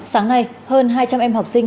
sáng nay hơn hai trăm linh em học sinh